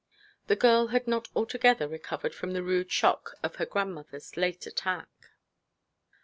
The girl had not altogether recovered from the rude shock of her grandmother's late attack.